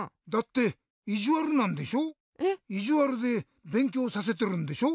いじわるでべんきょうさせてるんでしょ？